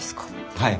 はい。